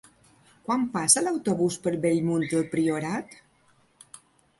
Quan passa l'autobús per Bellmunt del Priorat?